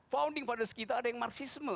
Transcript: founding fathers kita ada yang marxisme